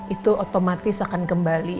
itu otomatis akan kembali